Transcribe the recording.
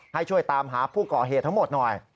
ให้ช่วยตามหาผู้ก่อเหตุทั้งหมดหน่อย